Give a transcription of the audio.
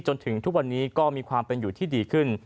จนถึงทุกวันนี้ก็มีความเป็นอยู่ที่ดีขึ้น